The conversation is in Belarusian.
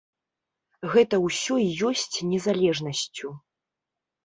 Гэта ўсё і ёсць незалежнасцю.